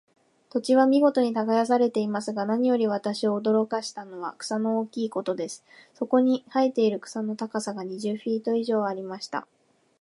土地は見事に耕されていますが、何より私を驚かしたのは、草の大きいことです。そこらに生えている草の高さが、二十フィート以上ありました。